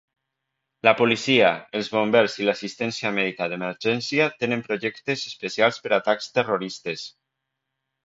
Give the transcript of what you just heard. La policia, els bombers i l'assistència mèdica d'emergència tenen projectes especials per a atacs terroristes.